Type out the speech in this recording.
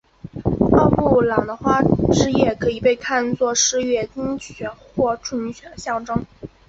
奥布朗的花汁液可以被看做是月经血或处女血的象征。